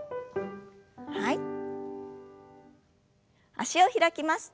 脚を開きます。